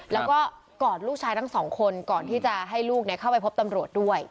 แล้วก็กอดลูกชายทั้งสองคนก่อนที่จะให้ลูกเข้าไปพบตำรวจด้วย